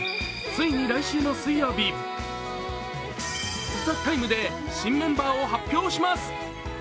ついに来週の水曜日「ＴＨＥＴＩＭＥ，」で新メンバーを発表します。